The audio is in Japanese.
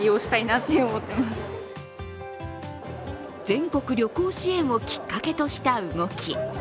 全国旅行支援をきっかけとした動き。